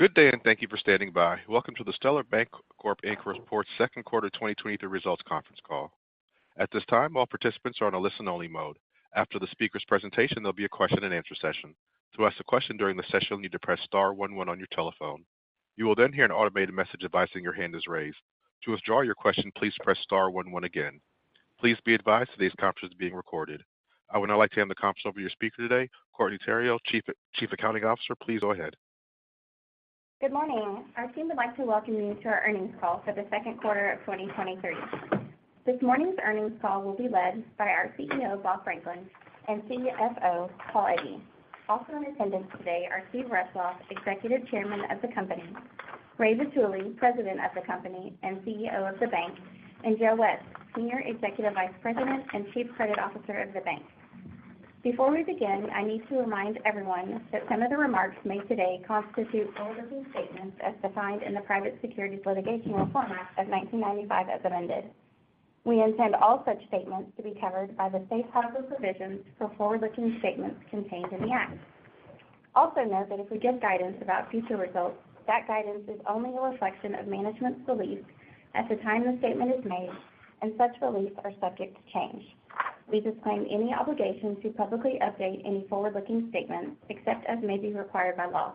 Good day. Thank you for standing by. Welcome to the Stellar Bancorp, Inc Report, Second Quarter 2023 Results Conference Call. At this time, all participants are on a listen-only mode. After the speaker's presentation, there'll be a question-and-answer session. To ask a question during the session, you'll need to press star one one on your telephone. You will then hear an automated message advising your hand is raised. To withdraw your question, please press star one one again. Please be advised today's conference is being recorded. I would now like to hand the conference over to your speaker today, Courtney Theriot, Chief Accounting Officer. Please go ahead. Good morning. Our team would like to welcome you to our Earnings Call for the Second Quarter of 2023. This morning's earnings call will be led by our CEO, Bob Franklin, and CFO, Paul Egge. Also in attendance today are Steve Retzloff, Executive Chairman of the company, Ray Vitulli, President of the company and CEO of the bank, and Joe West, Senior Executive Vice President and Chief Credit Officer of the bank. Before we begin, I need to remind everyone that some of the remarks made today constitute forward-looking statements as defined in the Private Securities Litigation Reform Act of 1995, as amended. We intend all such statements to be covered by the safe harbor provisions for forward-looking statements contained in the Act. Note that if we give guidance about future results, that guidance is only a reflection of management's beliefs at the time the statement is made, and such beliefs are subject to change. We disclaim any obligation to publicly update any forward-looking statements, except as may be required by law.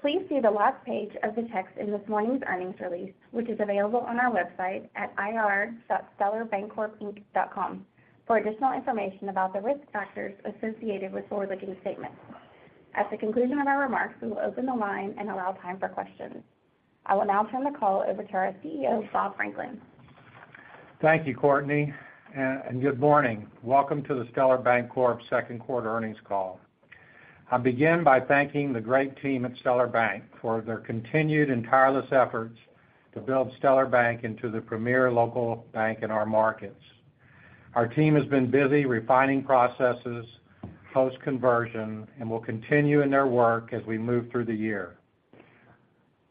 Please see the last page of the text in this morning's earnings release, which is available on our website at ir.stellarbancorp.com, for additional information about the risk factors associated with forward-looking statements. At the conclusion of our remarks, we will open the line and allow time for questions. I will now turn the call over to our CEO, Bob Franklin. Thank you, Courtney, good morning. Welcome to the Stellar Bancorp Second Quarter Earnings Call. I begin by thanking the great team at Stellar Bank for their continued and tireless efforts to build Stellar Bank into the premier local bank in our markets. Our team has been busy refining processes, post-conversion, will continue in their work as we move through the year.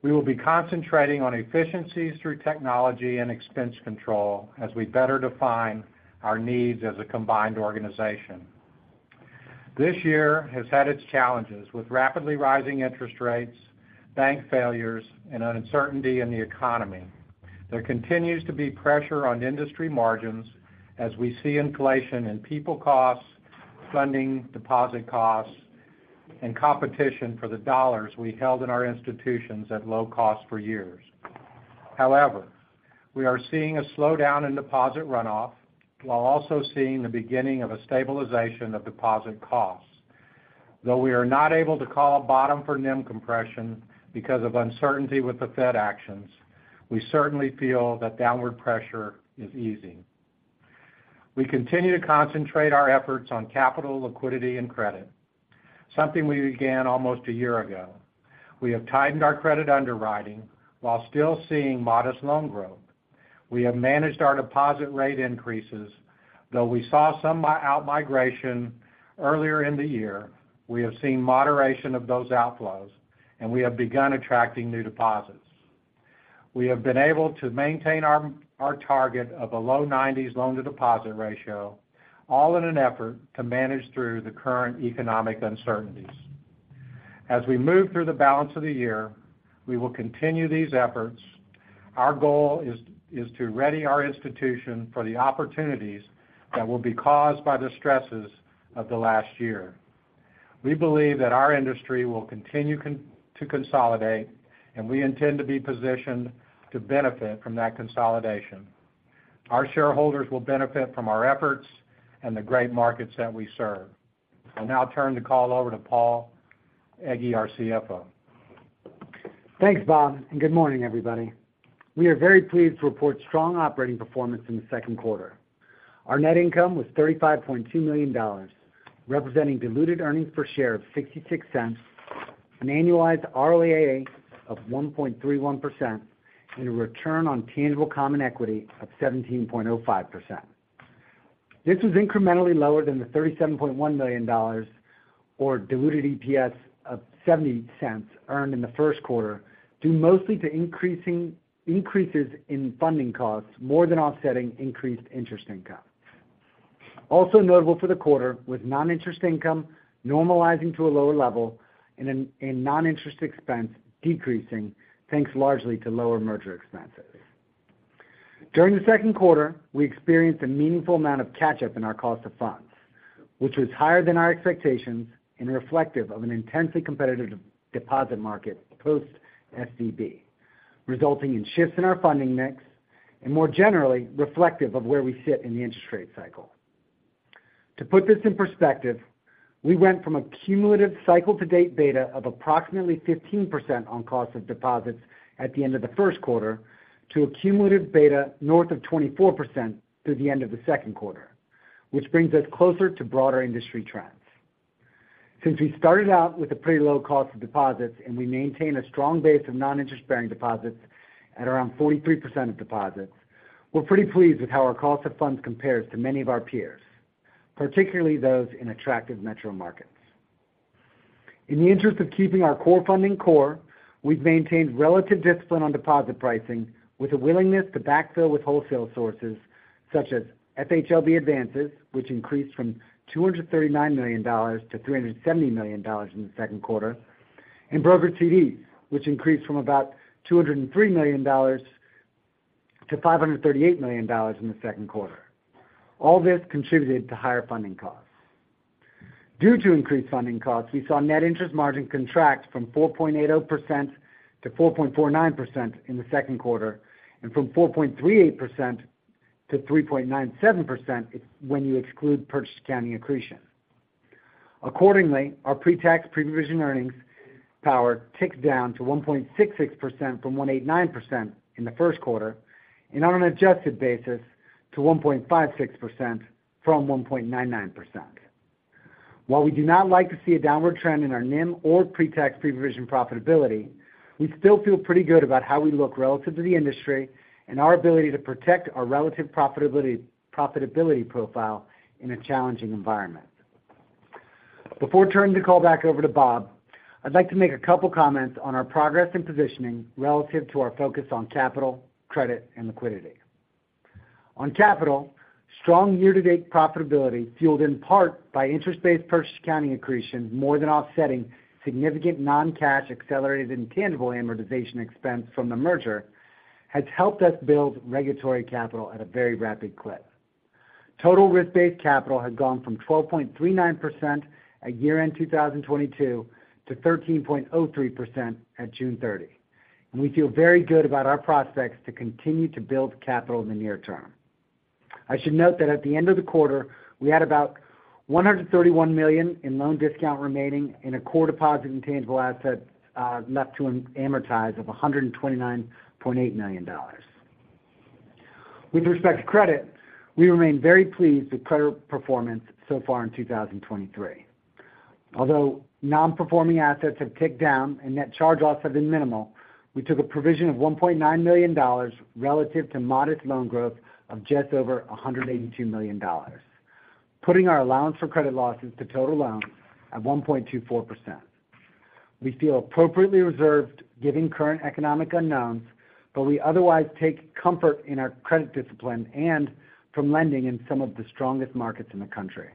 We will be concentrating on efficiencies through technology and expense control as we better define our needs as a combined organization. This year has had its challenges, with rapidly rising interest rates, bank failures, and uncertainty in the economy. There continues to be pressure on industry margins as we see inflation in people costs, funding, deposit costs, and competition for the dollars we held in our institutions at low cost for years. However, we are seeing a slowdown in deposit runoff, while also seeing the beginning of a stabilization of deposit costs. Though we are not able to call a bottom for NIM compression because of uncertainty with the Fed actions, we certainly feel that downward pressure is easing. We continue to concentrate our efforts on capital, liquidity, and credit, something we began almost a year ago. We have tightened our credit underwriting while still seeing modest loan growth. We have managed our deposit rate increases, though we saw some outmigration earlier in the year, we have seen moderation of those outflows, and we have begun attracting new deposits. We have been able to maintain our target of a low nineties loan-to-deposit ratio, all in an effort to manage through the current economic uncertainties. As we move through the balance of the year, we will continue these efforts. Our goal is to ready our institution for the opportunities that will be caused by the stresses of the last year. We believe that our industry will continue to consolidate. We intend to be positioned to benefit from that consolidation. Our shareholders will benefit from our efforts and the great markets that we serve. I'll now turn the call over to Paul Egge, our CFO. Thanks, Bob. Good morning, everybody. We are very pleased to report strong operating performance in the second quarter. Our net income was $35.2 million, representing diluted earnings per share of $0.66, an annualized ROAA of 1.31%, and a return on tangible common equity of 17.05%. This was incrementally lower than the $37.1 million or diluted EPS of $0.70 earned in the first quarter, due mostly to increases in funding costs, more than offsetting increased interest income. Notable for the quarter was non-interest income normalizing to a lower level and non-interest expense decreasing, thanks largely to lower merger expenses. During the second quarter, we experienced a meaningful amount of catch-up in our cost of funds, which was higher than our expectations and reflective of an intensely competitive deposit market post SVB, resulting in shifts in our funding mix and more generally reflective of where we sit in the interest rate cycle. To put this in perspective, we went from a cumulative cycle-to-date beta of approximately 15% on cost of deposits at the end of the first quarter, to a cumulative beta north of 24% through the end of the second quarter, which brings us closer to broader industry trends. Since we started out with a pretty low cost of deposits, and we maintain a strong base of non-interest-bearing deposits at around 43% of deposits, we're pretty pleased with how our cost of funds compares to many of our peers, particularly those in attractive metro markets. In the interest of keeping our core funding core, we've maintained relative discipline on deposit pricing with a willingness to backfill with wholesale sources such as FHLB advances, which increased from $239 million to $370 million in the second quarter, and brokered CDs, which increased from about $203 million to $538 million in the second quarter. All this contributed to higher funding costs. Due to increased funding costs, we saw net interest margin contract from 4.80%-4.49% in the second quarter, and from 4.38%-3.97% when you exclude purchase accounting accretion. Accordingly, our pre-tax, pre-provision earnings power ticks down to 1.66% from 1.89% in the first quarter, and on an adjusted basis, to 1.56% from 1.99%. While we do not like to see a downward trend in our NIM or pre-tax, pre-provision profitability, we still feel pretty good about how we look relative to the industry and our ability to protect our relative profitability, profitability profile in a challenging environment. Before turning the call back over to Bob, I'd like to make a couple comments on our progress and positioning relative to our focus on capital, credit, and liquidity. On capital, strong year-to-date profitability, fueled in part by interest-based purchase accounting accretion, more than offsetting significant non-cash accelerated intangible amortization expense from the merger, has helped us build regulatory capital at a very rapid clip. Total risk-based capital has gone from 12.39% at year-end 2022 to 13.03% at June 30. We feel very good about our prospects to continue to build capital in the near term. I should note that at the end of the quarter, we had about $131 million in loan discount remaining and a core deposit intangible asset left to amortize of $129.8 million. With respect to credit, we remain very pleased with credit performance so far in 2023. Although non-performing assets have ticked down and net charge-offs have been minimal, we took a provision of $1.9 million relative to modest loan growth of just over $182 million, putting our allowance for credit losses to total loans at 1.24%. We feel appropriately reserved, given current economic unknowns, we otherwise take comfort in our credit discipline and from lending in some of the strongest markets in the country.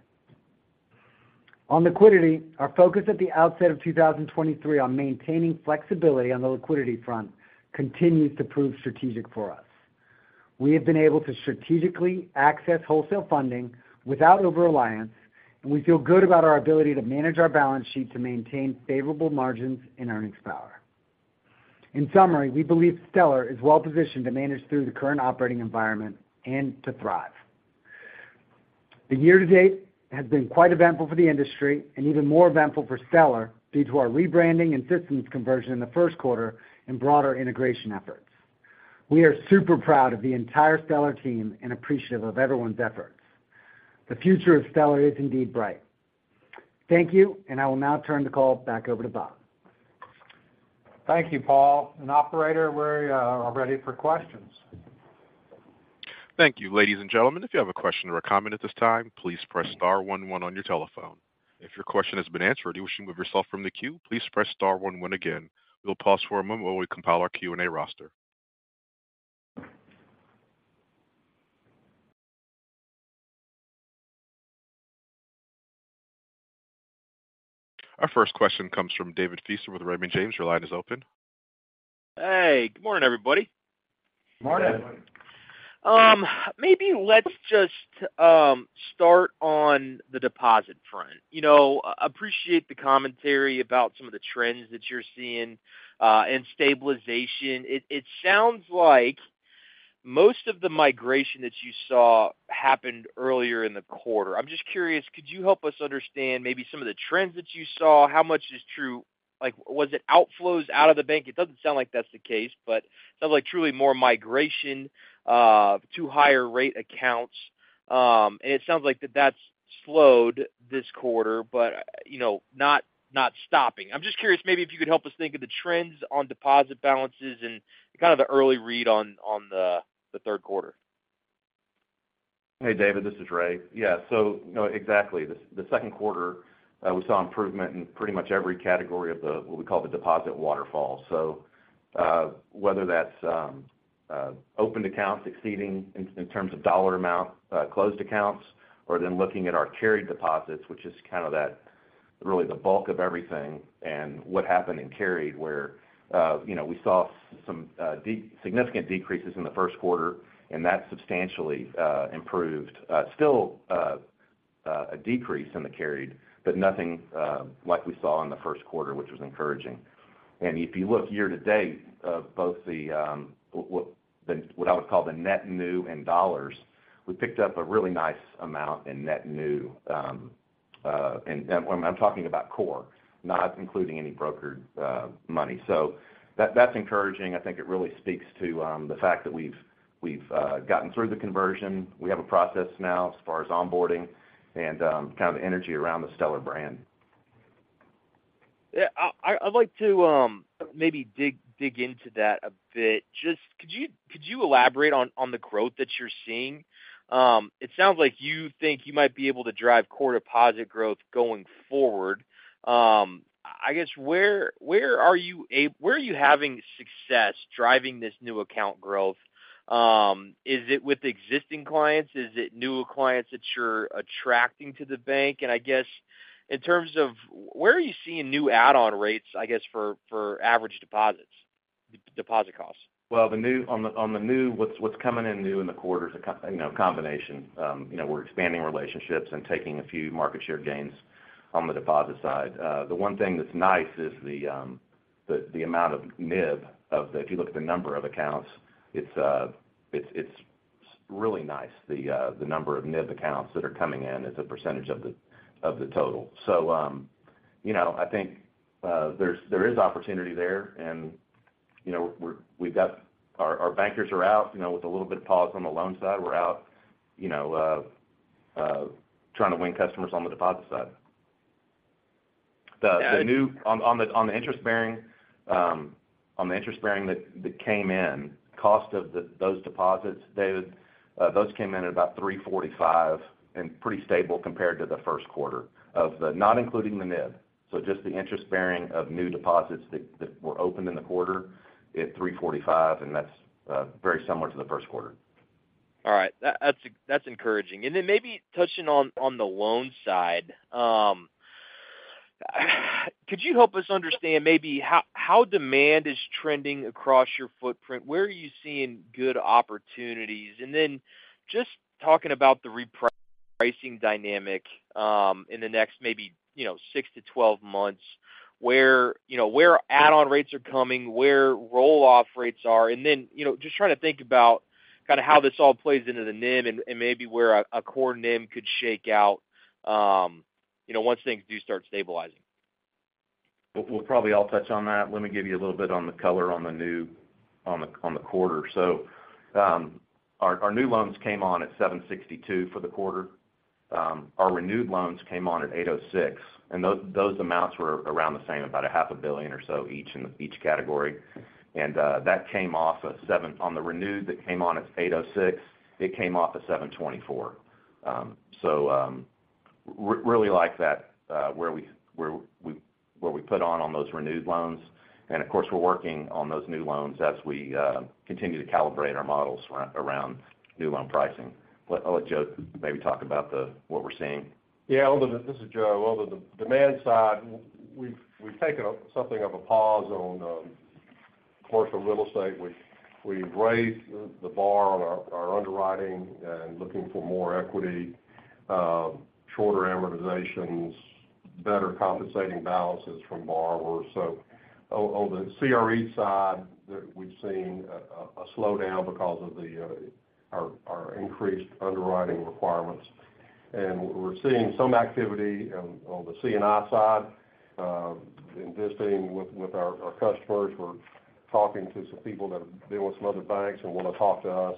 On liquidity, our focus at the outset of 2023 on maintaining flexibility on the liquidity front continues to prove strategic for us. We have been able to strategically access wholesale funding without overreliance, we feel good about our ability to manage our balance sheet to maintain favorable margins and earnings power. In summary, we believe Stellar is well-positioned to manage through the current operating environment and to thrive. The year-to-date has been quite eventful for the industry and even more eventful for Stellar due to our rebranding and systems conversion in the first quarter and broader integration efforts. We are super proud of the entire Stellar team and appreciative of everyone's efforts. The future of Stellar is indeed bright. Thank you, I will now turn the call back over to Bob. Thank you, Paul. Operator, we're ready for questions. Thank you, ladies and gentlemen. If you have a question or a comment at this time, please press star one one on your telephone. If your question has been answered, or you wish to remove yourself from the queue, please press star one one again. We'll pause for a moment while we compile our Q&A roster. Our 1st question comes from David Feaster with Raymond James. Your line is open. Hey, good morning, everybody. Morning. Good morning. Maybe let's just start on the deposit front. You know, appreciate the commentary about some of the trends that you're seeing, and stabilization. It sounds like most of the migration that you saw happened earlier in the quarter. I'm just curious, could you help us understand maybe some of the trends that you saw? How much is true? Like, was it outflows out of the bank? It doesn't sound like that's the case, but sound like truly more migration to higher rate accounts. It sounds like that's slowed this quarter, but not stopping. I'm just curious maybe if you could help us think of the trends on deposit balances and kind of the early read on the third quarter. Hey, David, this is Ray. No, exactly. In the second quarter, we saw improvement in pretty much every category of the, what we call the deposit waterfall. Whether that's opened accounts exceeding in terms of percent amount, closed accounts, or then looking at our carried deposits, which is kind of that, really the bulk of everything and what happened in carried where we saw some significant decreases in the first quarter, and that substantially improved. Still a decrease in the carried, but nothing like we saw in the first quarter, which was encouraging. If you look year to date, both what I would call the net new in dollar, we picked up a really nice amount in net new. I'm talking about core, not including any brokered money. That's encouraging. I think it really speaks to the fact that we've, we've gotten through the conversion. We have a process now as far as onboarding and kind of the energy around the Stellar brand. I'd like to maybe dig into that a bit. Just could you elaborate on the growth that you're seeing? It sounds like you think you might be able to drive core deposit growth going forward. I guess, where are you having success driving this new account growth? Is it with existing clients? Is it new clients that you're attracting to the bank? I guess, in terms of where are you seeing new add-on rates, for average deposits, deposit costs? Well, what's coming in new in the quarter is a combination. You know, we're expanding relationships and taking a few market share gains on the deposit side. The one thing that's nice is the amount of NIB. If you look at the number of accounts, it's really nice, the number of NIB accounts that are coming in as a percent of the total. I think there's opportunity there, and our bankers are out with a little bit of pause on the loan side. We're out, you know, trying to win customers on the deposit side. On the interest-bearing that came in, cost of those deposits, David, those came in at about 3.45%, pretty stable compared to the first quarter of the. Not including the NIB, just the interest-bearing of new deposits that were opened in the quarter at 3.45%, that's very similar to the first quarter. All right, encouraging. Then maybe touching on the loan side, could you help us understand maybe how demand is trending across your footprint? Where are you seeing good opportunities? Then just talking about the repricing dynamic, in the next maybe, you know, 6-12 months, where add-on rates are coming, where roll-off rates are, and then just trying to think about kind of how this all plays into the NIM and, and maybe where a core NIM could shake out, you know, once things do start stabilizing. We'll probably all touch on that. Let me give you a little bit on the color on the new quarter. Our new loans came on at 7.62% for the quarter. Our renewed loans came on at 8.06%, and those amounts were around the same, about $500 million or so each in the each category. That came off at seven. On the renewed, that came on at 8.06%, it came off at 7.24%. Really like that where we put on those renewed loans. Of course, we're working on those new loans as we continue to calibrate our models around new loan pricing. I'll let Joe maybe talk about the what we're seeing. This is Joe. Well, the demand side, we've taken a something of a pause on commercial real estate. We've raised the bar on our underwriting and looking for more equity, shorter amortizations, better compensating balances from borrowers. On the CRE side, we've seen a slowdown because of our increased underwriting requirements. We're seeing some activity on the C&I side, in visiting with, with our customers. We're talking to some people that have been with some other banks and want to talk to us.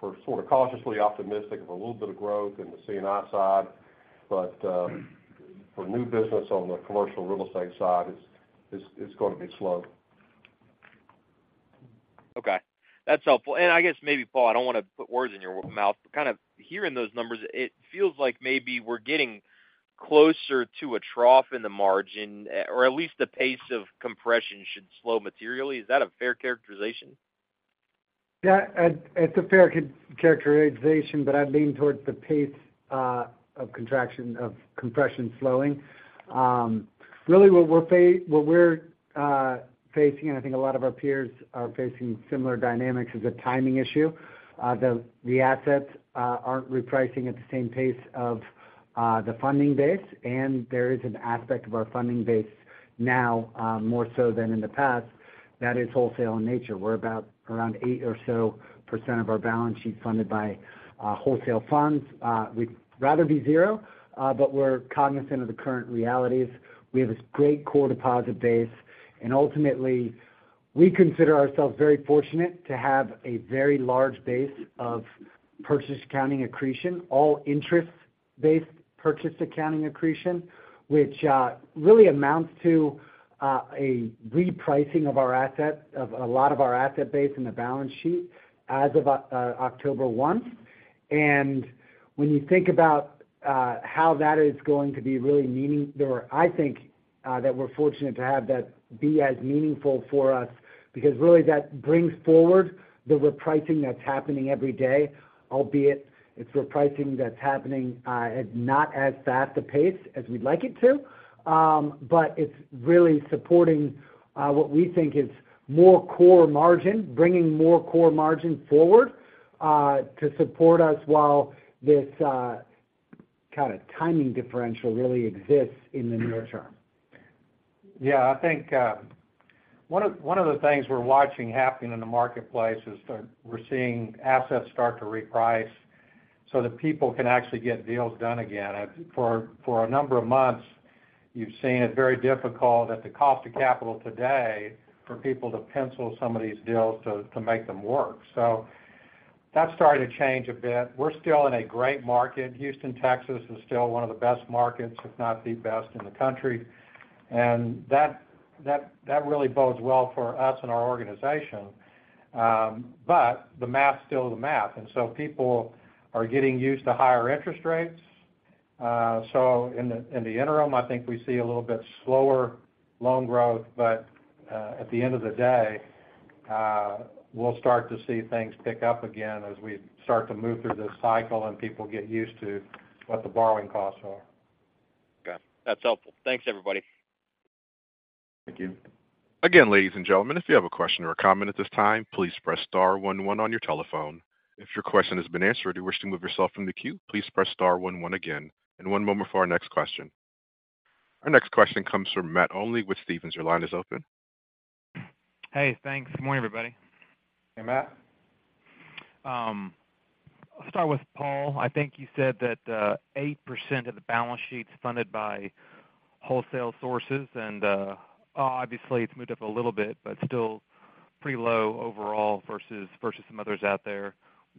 We're sort of cautiously optimistic of a little bit of growth in the C&I side. For new business on the commercial real estate side, it's going to be slow. Okay, that's helpful. I guess maybe, Paul, I don't want to put words in your mouth, but kind of hearing those numbers, it feels like maybe we're getting closer to a trough in the margin, or at least the pace of compression should slow materially. Is that a fair characterization? It's fair characterization, but I'd lean towards the pace of contraction, of compression slowing. Really what we're facing, and I think a lot of our peers are facing similar dynamics, is a timing issue. The assets aren't repricing at the same pace of the funding base, and there is an aspect of our funding base now, more so than in the past, that is wholesale in nature. We're about around 8% or so of our balance sheet funded by wholesale funds. We'd rather be zero, but we're cognizant of the current realities. We have this great core deposit base, and ultimately, we consider ourselves very fortunate to have a very large base of purchase accounting accretion, all interest-based purchase accounting accretion, which really amounts to a repricing of our asset, of a lot of our asset base in the balance sheet as of October one. And when you think about how that is going to be really meaning that we're fortunate to have that be as meaningful for us, because really that brings forward the repricing that's happening every day, albeit it's repricing that's happening at not as fast a pace as we'd like it to. But it's really supporting what we think is more core margin, bringing more core margin forward to support us while this kind of timing differential really exists in the near term. One of the things we're watching happening in the marketplace is that we're seeing assets start to reprice so that people can actually get deals done again. For a number of months, you've seen it very difficult at the cost of capital today for people to pencil some of these deals to make them work. That's starting to change a bit. We're still in a great market. Houston, Texas, is still one of the best markets, if not the best in the country. That really bodes well for our organization and us. The math is still the math, and so people are getting used to higher interest rates. In the interim, I think we see a little bit slower loan growth. At the end of the day, we'll start to see things pick up again as we start to move through this cycle and people get used to what the borrowing costs are. Okay, that's helpful. Thanks, everybody. Thank you. Again, ladies and gentlemen, if you have a question or a comment at this time, please press star one one on your telephone. If your question has been answered, or you wish to move yourself from the queue, please press star one one again. One moment for our next question. Our next question comes from Matt Olney with Stephens. Your line is open. Hey, thanks. Good morning, everybody. Hey, Matt. I'll start with Paul. I think you said that 8% of the balance sheet is funded by wholesale sources, and obviously, it's moved up a little bit, but still pretty low overall versus some others out there.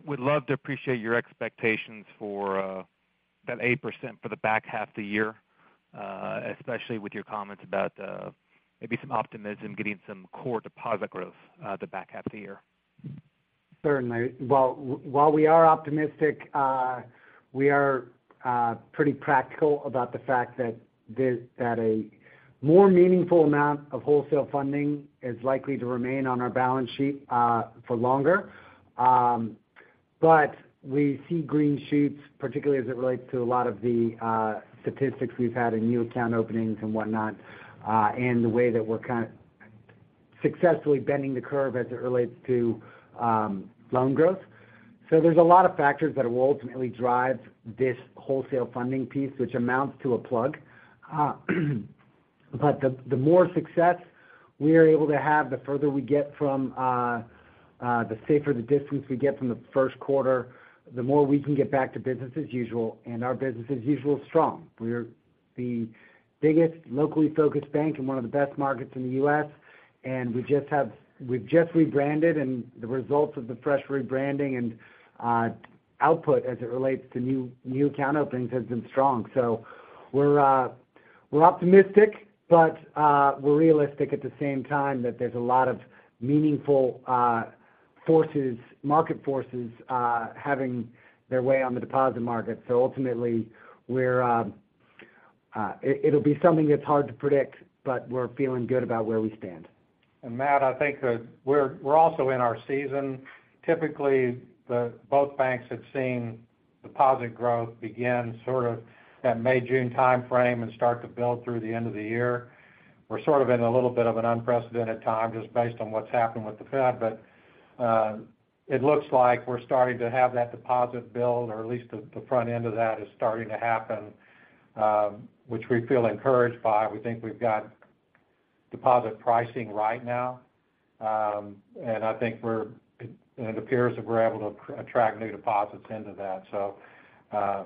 Would love to appreciate your expectations for that 8% for the back half of the year, especially with your comments about maybe some optimism, getting some core deposit growth, the back half of the year? Certainly. Well, while we are optimistic, we are pretty practical about the fact that a more meaningful amount of wholesale funding is likely to remain on our balance sheet for longer. We see green sheets, particularly as it relates to a lot of the statistics we've had in new account openings and whatnot, and the way that we're kind of successfully bending the curve as it relates to loan growth. There's a lot of factors that will ultimately drive this wholesale funding piece, which amounts to a plug. The more success we are able to have, the further we get from the safer the distance we get from the first quarter, the more we can get back to business as usual, and our business as usual is strong. We're the biggest locally focused bank in one of the best markets in the U.S., we've just rebranded, and the results of the fresh rebranding and output as it relates to new account openings has been strong. We're optimistic, but we're realistic at the same time that there's a lot of meaningful forces, market forces having their way on the deposit market. Ultimately, we're, it'll be something that's hard to predict, but we're feeling good about where we stand. Matt, I think, we're also in our season. Typically, both banks have seen deposit growth begin in that May-June timeframe and start to build through the end of the year. We're sort of in a little bit of an unprecedented time, just based on what's happened with the Fed. It looks like we're starting to have that deposit build, or at least the front end of that is starting to happen, which we feel encouraged by. We think we've got deposit pricing right now. And I think we're, it appears that we're able to attract new deposits into that.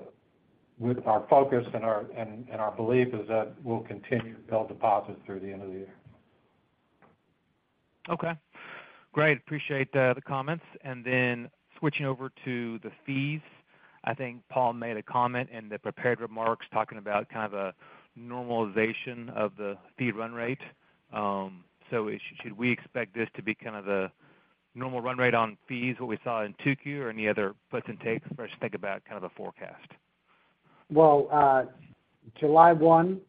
With our focus and our belief is that we'll continue to build deposits through the end of the year. Okay. Great, appreciate the comments. Switching over to the fees, I think Paul made a comment in the prepared remarks, talking about kind of a normalization of the fee run rate. Should we expect this to be kind of the normal run rate on fees, what we saw in 2Q, or any other puts and takes for us to think about kind of the forecast? Well, July 1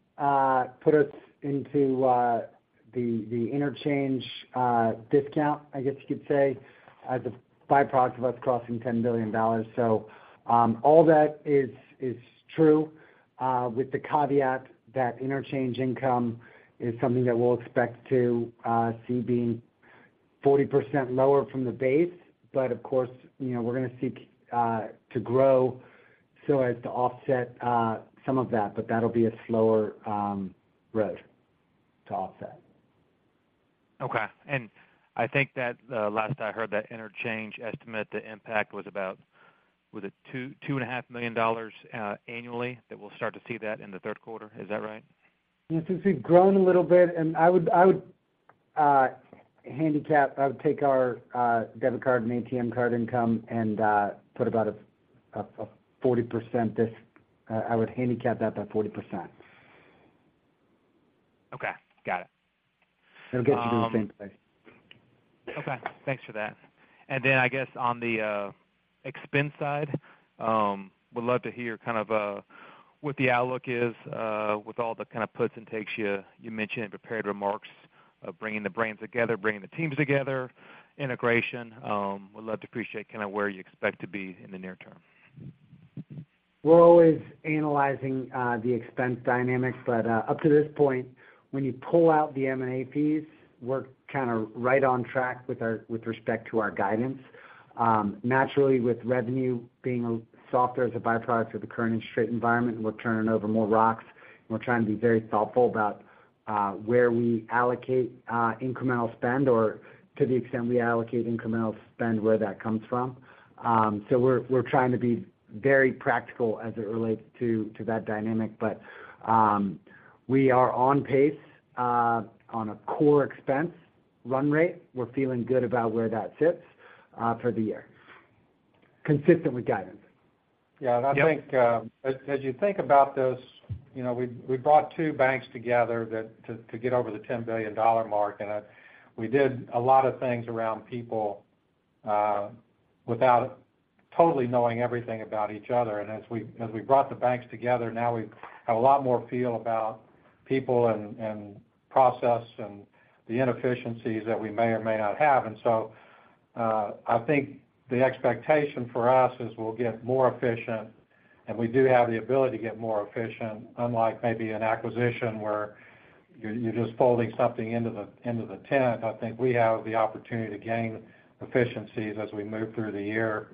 put us into the interchange discount, I guess you could say, as a by-product of us crossing $10 billion. All that is true, with the caveat that interchange income is something that we'll expect to see being 40% lower from the base. Of course, we're going to seek to grow so as to offset some of that, but that'll be a slower road to offset. Okay. I think that, last I heard, the interchange estimate, the impact was about, was it $2 million to $2.5 million annually, that we'll start to see that in the third quarter? Is that right? Yes, since we've grown a little bit and I would handicap I would take our debit card and ATM card income and put about a 40% I would handicap that by 40%. Okay, got it. Okay, thanks for that. I guess on the expense side, would love to hear kind of what the outlook is with all the kind of puts and takes you mentioned in prepared remarks of bringing the brands together, bringing the teams together, integration. Would love to appreciate kind of where you expect to be in the near term. We're always analyzing the expense dynamics. Up to this point, when you pull out the M&A fees, we're kind of right on track with respect to our guidance. Naturally, with revenue being softer as a by-product of the current interest rate environment, we're turning over more rocks, and we're trying to be very thoughtful about where we allocate incremental spend, or to the extent we allocate incremental spend, where that comes from. We're trying to be very practical as it relates to that dynamic. We are on pace on a core expense run rate. We're feeling good about where that sits for the year consistently guidance. As you think about this we brought two banks together that, to get over the $10 billion mark, we did a lot of things around people, without totally knowing everything about each other. As we brought the banks together, now we have a lot more feel about people and process and the inefficiencies that we may or may not have. I think the expectation for us is we'll get more efficient, and we do have the ability to get more efficient, unlike maybe an acquisition where you're just folding something into the tent. I think we have the opportunity to gain efficiencies as we move through the year.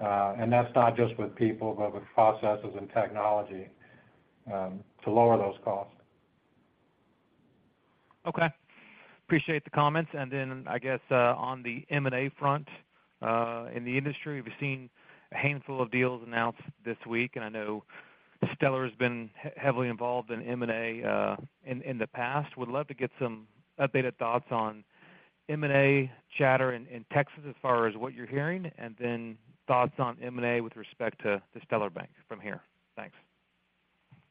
That's not just with people, but with processes and technology, to lower those costs. Okay. Appreciate the comments. Then, on the M&A front, in the industry, we've seen a handful of deals announced this week, and I know Stellar has been heavily involved in M&A, in the past. Would love to get some updated thoughts on M&A chatter in Texas as far as what you're hearing, and then thoughts on M&A with respect to Stellar Bank from here. Thanks.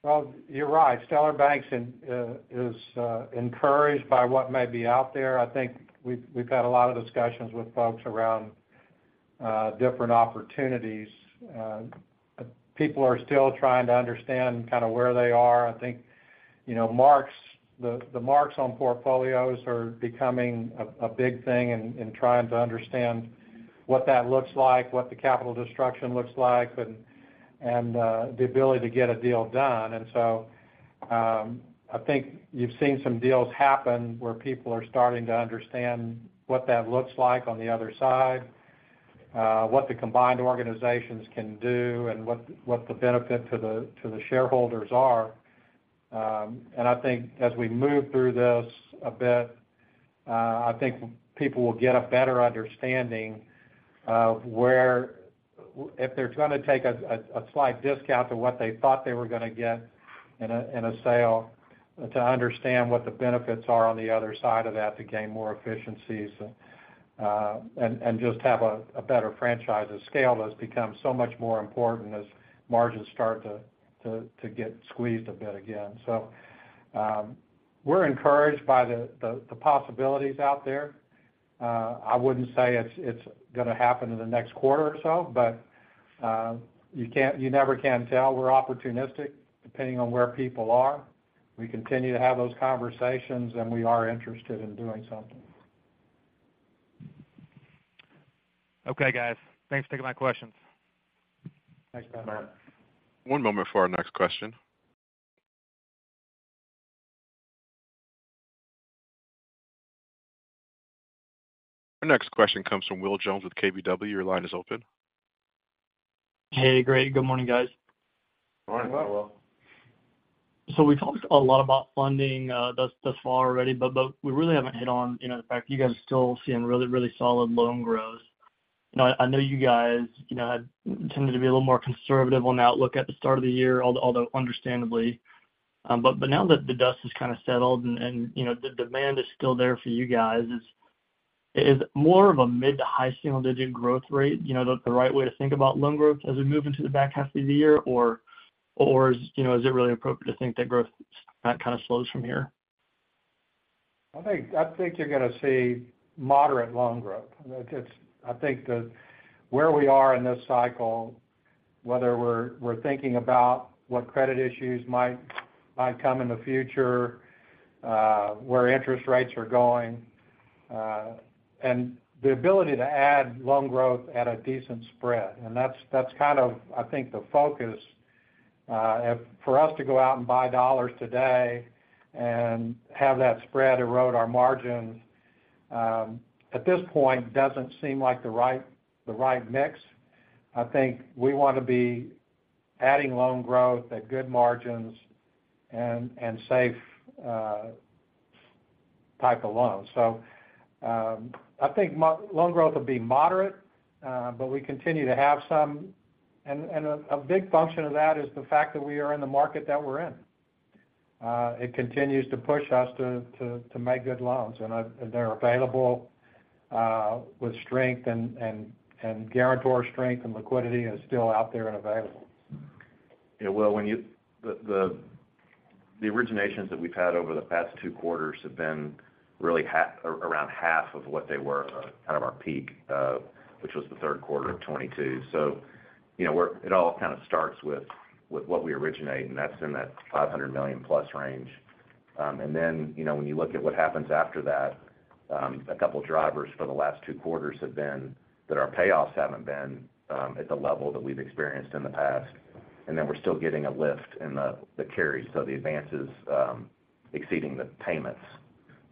Well, you're right. Stellar Bank is encouraged by what may be out there. I think we've had a lot of discussions with folks around different opportunities. People are still trying to understand kind of where they are. The marks on portfolios are becoming a big thing in trying to understand what that looks like, what the capital destruction looks like, and the ability to get a deal done. I think you've seen some deals happen where people are starting to understand what that looks like on the other side, what the combined organizations can do, and what the benefit to the shareholders are. I think as we move through this a bit, I think people will get a better understanding. If they're going to take a slight discount to what they thought they were going to get in a sale, to understand what the benefits are on the other side of that, to gain more efficiencies, and just have a better franchise of scale, that's become so much more important as margins start to get squeezed a bit again. We're encouraged by the possibilities out there. I wouldn't say it's gonna happen in the next quarter or so, but you can't, you never can tell. We're opportunistic, depending on where people are. We continue to have those conversations, and we are interested in doing something. Okay, guys. Thanks for taking my questions. Thanks, Matt. One moment for our next question. Our next question comes from Will Jones with KBW. Your line is open. Hey, great. Good morning, guys. Morning, Will. We've talked a lot about funding, thus far already, but we really haven't hit on the fact that you guys are still seeing really solid loan growth. I know you guys had tended to be a little more conservative on outlook at the start of the year, although, understandably. But, now that the dust has kind of settled and the demand is still there for you guys, is more of a mid to high single-digit growth rate the right way to think about loan growth as we move into the back half of the year? Or is it really appropriate to think that growth kind of slows from here? I think you're gonna see moderate loan growth. I think where we are in this cycle, whether we're thinking about what credit issues might, might come in the future, where interest rates are going, and the ability to add loan growth at a decent spread. That's the focus. For us to go out and buy dollars today and have that spread erode our margins, at this point, doesn't seem like the right, the right mix. I think we want to be adding loan growth at good margins and safe type of loans. I think loan growth will be moderate, but we continue to have a big function of that is the fact that we are in the market that we're in. It continues to push us to make good loans, and they're available, with strength and guarantor strength and liquidity is still out there and available. Will, when you the originations that we've had over the past two quarters have been really half, around half of what they were, kind of our peak, which was the third quarter of 2022. You know, it all kind of starts with what we originate, and that's in that $500 million+ range. And then when you look at what happens after that, a couple of drivers for the last two quarters have been that our payoffs haven't been at the level that we've experienced in the past, and then we're still getting a lift in the carry, so the advances, exceeding the payments.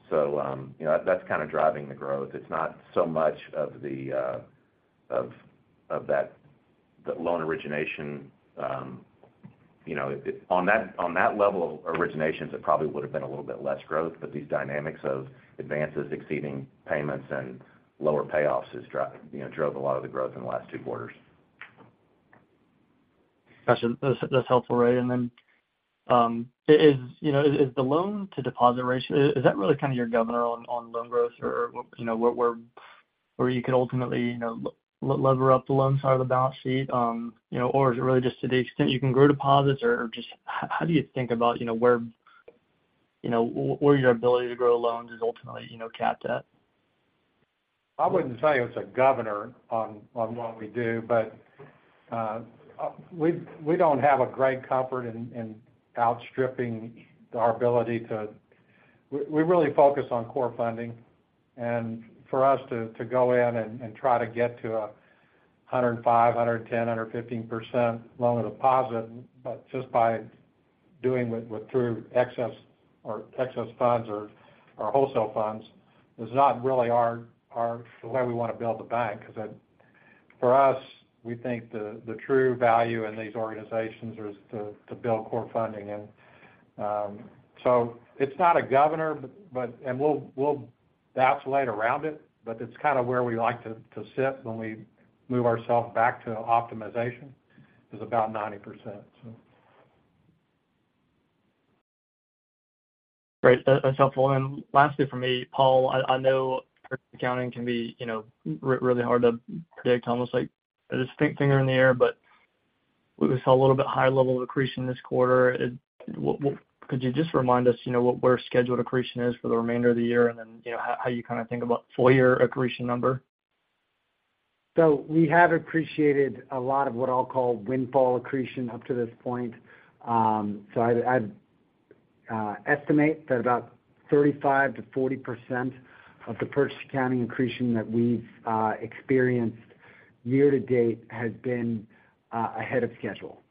You know, that's kind of driving the growth. It's not so much of that loan origination, you know. On that, on that level of originations, it probably would have been a little bit less growth, but these dynamics of advances exceeding payments and lower payoffs is you know, drove a lot of the growth in the last two quarters. Gotcha. That's helpful, Ray. Is the loan-to-deposit ratio, is that really your governor on loan growth? Where you could ultimately lever up the loan side of the balance sheet or is it really just to the extent you can grow deposits? Or just how do you think about where your ability to grow loans is ultimately capped at? I wouldn't say it's a governor on what we do, but, we don't have a great comfort in outstripping our ability to. We really focus on core funding. For us to go in and, and try to get to 105%, 110%, 115% loan deposit, but just by doing with through excess or excess funds or wholesale funds, is not really the way we want to build the bank. For us, we think the true value in these organizations is to build core funding. So it's not a governor, but, and we'll dance late around it, but it's kind of where we like to sit when we move ourselves back to optimization, is about 90%, so. Great. That's, that's helpful. Lastly for me, Paul, I know accounting can be really hard to predict, almost like just finger in the air. We saw a little bit higher level of accretion this quarter. Could you just remind us where scheduled accretion is for the remainder of the year, and then how you think about full year accretion number? We have appreciated a lot of what I'll call windfall accretion up to this point. I'd, I'd estimate that about 35%-40% of the purchase accounting accretion that we've experienced year to date has been ahead of schedule.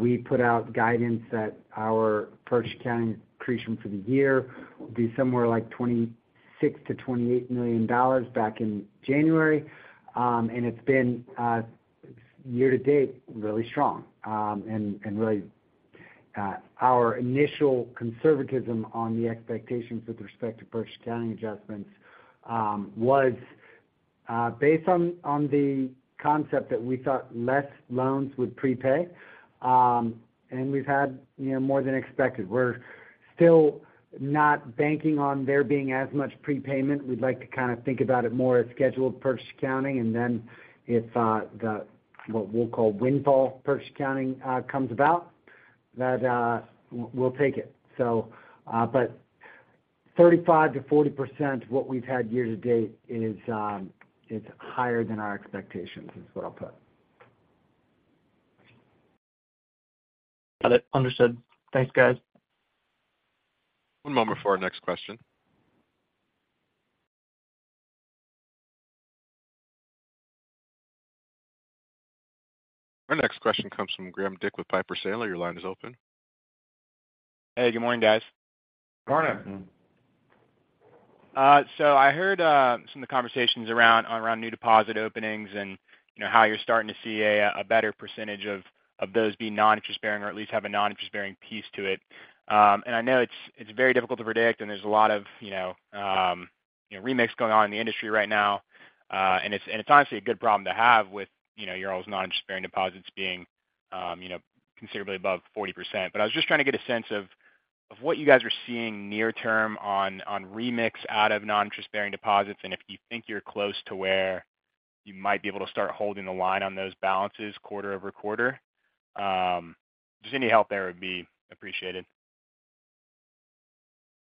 We put out guidance that our purchase accounting accretion for the year will be somewhere like $26 million to $28 million back in January. And it's been year-to-date, really strong. And really, our initial conservatism on the expectations with respect to purchase accounting adjustments, was based on the concept that we thought less loans would prepay. We've had more than expected. We're still not banking on there being as much prepayment. We'd like to kind of think about it more as scheduled purchase accounting, and then if what we'll call windfall purchase accounting, comes about we'll take it. 35%-40%, what we've had year to date is higher than our expectations, is what I'll put. Got it. Understood. Thanks, guys. One moment before our next question. Our next question comes from Graham Dick with Piper Sandler. Your line is open. Hey, good morning, guys. So I heard some of the conversations around new deposit openings and how you're starting to see a, a better percentage of those being non-interest-bearing, or at least have a non-interest-bearing piece to it. And I know it's very difficult to predict, and there's a lot of remix going on in the industry right now. And it's honestly a good problem to have with your own non-interest-bearing deposits being, you know, considerably above 40%. But I was just trying to get a sense of what you guys are seeing near term on, on remix out of non-interest-bearing deposits, and if you think you're close to where you might be able to start holding the line on those balances quarter-over-quarter. Just any help there would be appreciated.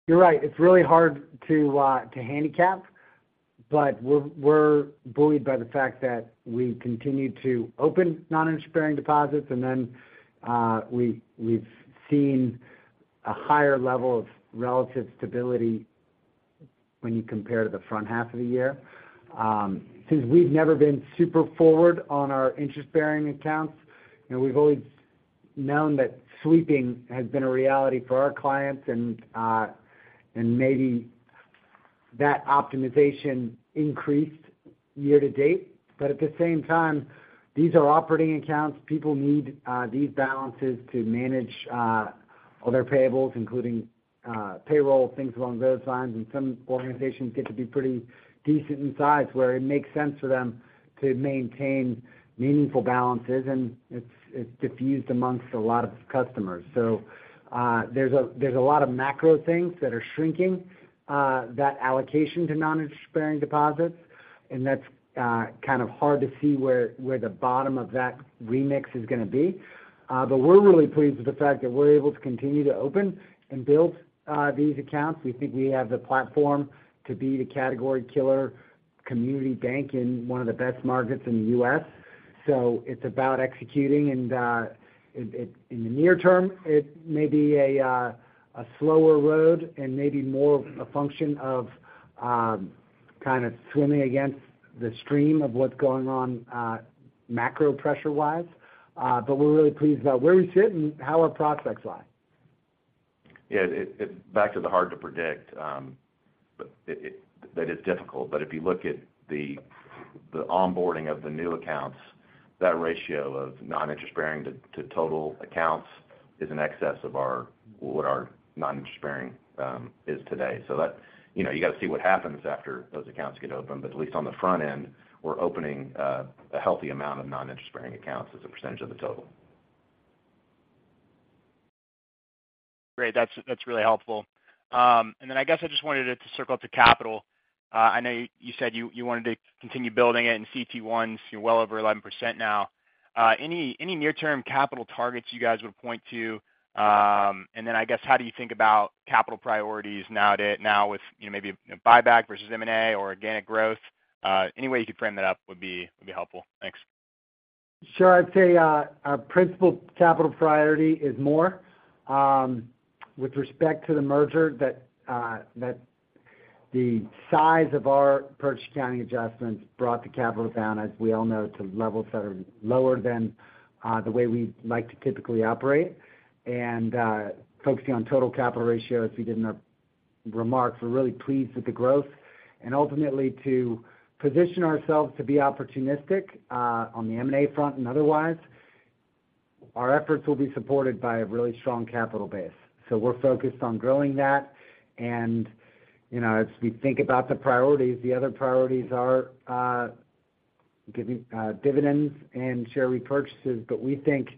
You're right. It's really hard to handicap, but we're buoyed by the fact that we continue to open non-interest-bearing deposits, and then we've seen a higher level of relative stability when you compare to the front half of the year. Since we've never been super forward on our interest-bearing accounts we've always known that sweeping has been a reality for our clients and maybe that optimization increased year to date. At the same time, these are operating accounts. People need these balances to manage other payables, including payroll, things along those lines. Some organizations get to be pretty decent in size, where it makes sense for them to maintain meaningful balances, and it's diffused amongst a lot of customers. There's a lot of macro things that are shrinking that allocation to non-interest-bearing deposits, and that's kind of hard to see where the bottom of that remix is gonna be. But we're really pleased with the fact that we're able to continue to open and build these accounts. We think we have the platform to be the category killer community bank in one of the best markets in the U.S. It's about executing, and in the near term, it may be a slower road and maybe more of a function of kind of swimming against the stream of what's going on macro pressure-wise. But we're really pleased about where we sit and how our prospects lie. It back to the hard to predict, that is difficult. If you look at the onboarding of the new accounts, that ratio of non-interest-bearing to total accounts is in excess of what our non-interest-bearing is today. You got to see what happens after those accounts get opened. At least on the front end, we're opening a healthy amount of non-interest-bearing accounts as a percentage of the total. Great, that's really helpful. I guess I just wanted to circle up to capital. I know you said you, you wanted to continue building it in CET1s. You're well over 11% now. Any near-term capital targets you guys would point to? How do you think about capital priorities now with maybe buyback versus M&A or organic growth? Any way you could frame that up would be, would be helpful. Thanks. Sure. I'd say, our principal capital priority is more. With respect to the merger that the size of our purchase accounting adjustments brought the capital down, as we all know, to levels that are lower than the way we like to typically operate. Focusing on total capital ratio, as we did in our remarks, we're really pleased with the growth. Ultimately, to position ourselves to be opportunistic, on the M&A front and otherwise, our efforts will be supported by a really strong capital base. We're focused on growing that. As we think about the priorities, the other priorities are, giving, dividends and share repurchases. We think,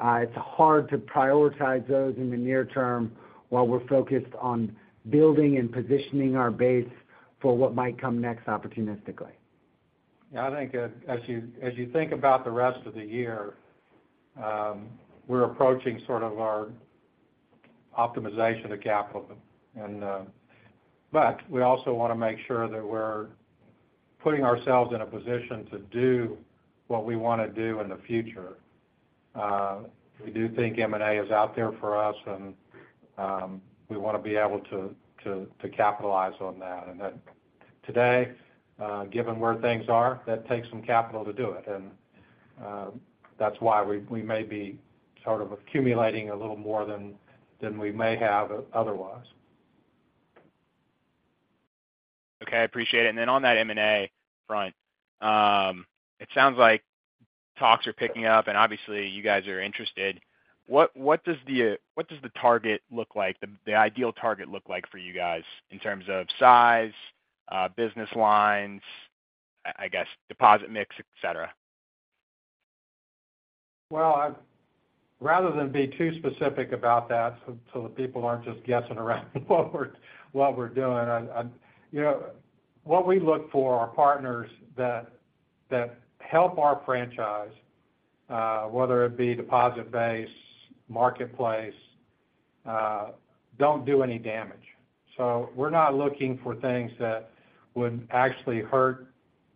it's hard to prioritize those in the near term, while we're focused on building and positioning our base for what might come next opportunistically. As you think about the rest of the year, we're approaching sort of our optimization of capital. But we also want to make sure that we're putting ourselves in a position to do what we want to do in the future. We do think M&A is out there for us, and we want to be able to capitalize on that. That today, given where things are, takes some capital to do it. That's why we may be sort of accumulating a little more than we may have otherwise. Okay, I appreciate it. Then on that M&A front, it sounds like talks are picking up, and obviously, you guys are interested. What does the target look like, the ideal target look like for you guys in terms of size, business lines deposit mix, et cetera? Well, I rather than be too specific about that, so that people aren't just guessing around what we're doing. What we look for are partners that help our franchise, whether it be deposit-based, marketplace, don't do any damage. We're not looking for things that would actually hurt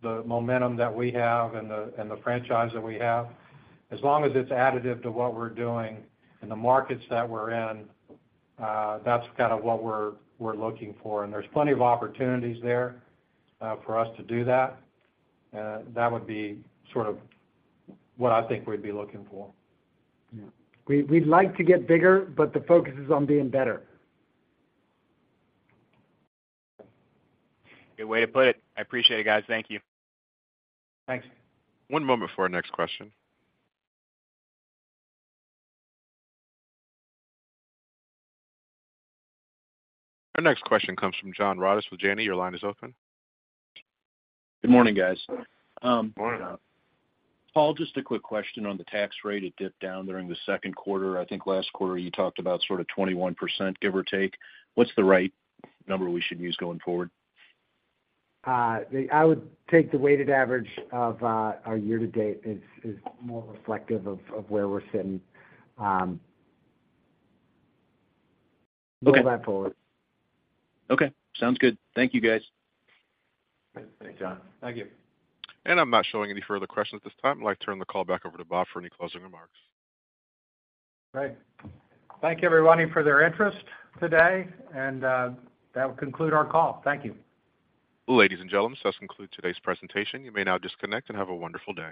the momentum that we have and the franchise that we have. As long as it's additive to what we're doing and the markets that we're in, that's kind of what we're looking for. There's plenty of opportunities there for us to do that. That would be sort of what I think we'd be looking for. Yeah. We'd like to get bigger, but the focus is on being better. Good way to put it. I appreciate it, guys. Thank you. Thanks. One moment for our next question. Our next question comes from John Rodis with Janney. Your line is open. Good morning, guys. Paul, just a quick question on the tax rate. It dipped down during the second quarter. I think last quarter, you talked about sort of 21%, give or take. What's the right number we should use going forward? The, I would take the weighted average of, our year to date is more reflective of where we're sitting, going back forward. Okay. Sounds good. Thank you, guys. Thanks, John. Thank you. I'm not showing any further questions at this time. I'd like to turn the call back over to Bob for any closing remarks. Great. Thank you, everybody, for their interest today, and that will conclude our call. Thank you. Ladies and gentlemen, this concludes today's presentation. You may now disconnect and have a wonderful day.